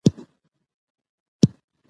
چارپايي يې د رود غاړې ته راوړه.